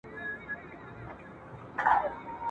تقدیر پاس په تدبیرونو پوري خاندي !.